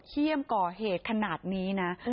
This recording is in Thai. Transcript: เยี่ยมก่อเหตุขนาดนี้นะ